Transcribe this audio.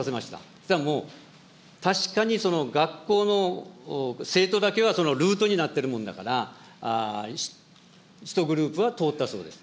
そしたらもう、確かに学校の生徒だけはそのルートになってるもんだから、１グループは通ったそうです。